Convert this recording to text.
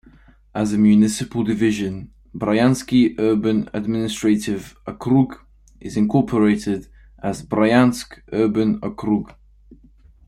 As a municipal division, Bryansky Urban Administrative Okrug is incorporated as Bryansk Urban Okrug.